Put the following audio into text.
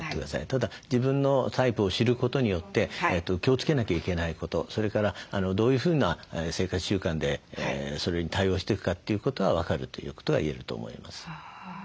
ただ自分のタイプを知ることによって気をつけなきゃいけないことそれからどういうふうな生活習慣でそれに対応していくかということは分かるということが言えると思います。